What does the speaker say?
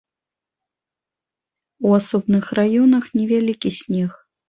У асобных раёнах невялікі снег.